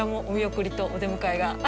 お見送りとお出迎えが。